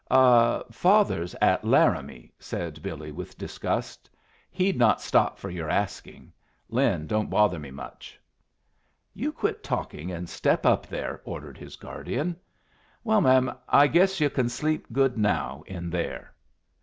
"Ah, father's at Laramie," said Billy, with disgust. "He'd not stop for your asking. Lin don't bother me much." "You quit talking and step up there!" ordered his guardian. "Well, m'm, I guess yu' can sleep good now in there."